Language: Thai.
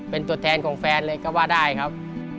เป็นตัวแทนของแฟนเลยก็ว่าได้ครับ